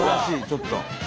ちょっと。